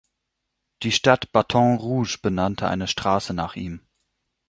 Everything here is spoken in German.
Die Stadt Baton Rouge benannte eine Straße nach ihm.